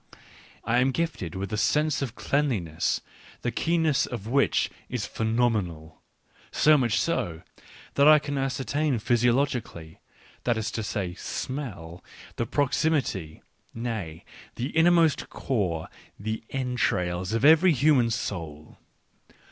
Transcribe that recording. I am gifted with a sense of cleanliness the keenness of which is phenomenal ; so much so, that I can ascertain physiologically — that is to say, smell — the proximity, nay, the inmost core, the " entrails " of every human soul.